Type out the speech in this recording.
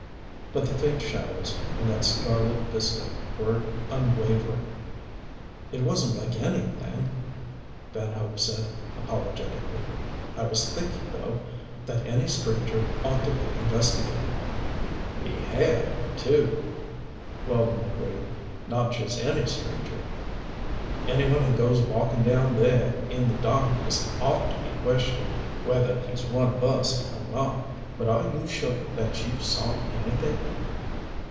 But the faint shadows, in that starlit vista, were unwavering. "It wasn't likely anything " Van Hope said apologetically. "I was thinking, though, that any stranger ought to be investigated " "He had, too," Weldon agreed. "Not just any stranger. Any one who goes walking down there in the darkness ought to be questioned whether he's one of us or not. But are you sure you saw anything?"